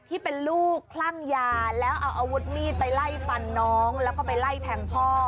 ที่เป็นลูกคลั่งยาแล้วเอาอาวุธมีดไปไล่ฟันน้องแล้วก็ไปไล่แทงพ่อ